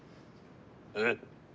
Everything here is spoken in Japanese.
えっ？